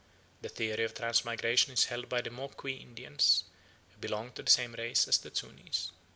The theory of transmigration is held by the Moqui Indians, who belong to the same race as the Zunis.